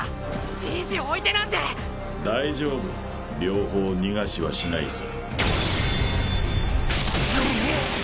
じいじを置いてなんて大丈夫両方逃がしはしないさ